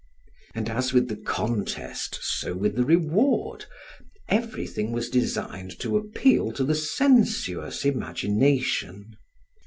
And as with the contest, so with the reward, everything was designed to appeal to the sensuous imagination.